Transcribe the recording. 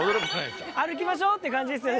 歩きましょうっていう感じですよ。